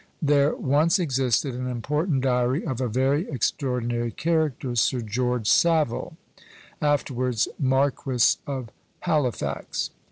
There once existed an important diary of a very extraordinary character, Sir George Saville, afterwards Marquis of Halifax.